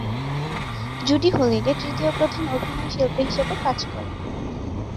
জুডি Holliday তৃতীয় প্রধান অভিনয়শিল্পী হিসেবে কাজ করেন।